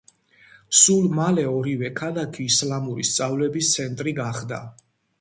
სულ მალე ორივე ქალაქი ისლამური სწავლების ცენტრი გახდა.